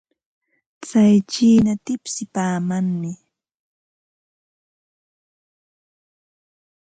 Tsay chiina tipsipaamanmi.